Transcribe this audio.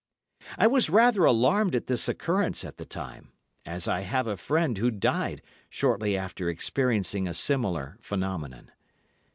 I was rather alarmed at this occurrence at the time, as I have a friend who died shortly after experiencing a similar phenomenon.